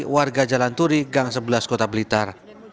warga jalan turi gang sebelas kota blitar